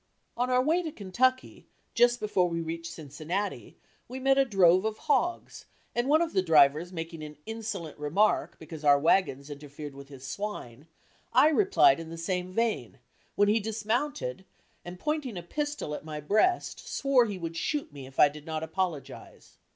On our way to Kentucky, just before we reached Cincinnati, we met a drove of hogs and one of the drivers making an insolent remark because our wagons interfered with his swine, I replied in the same vein, when he dismounted and pointing a pistol at my breast swore he would shoot me if I did not apologize.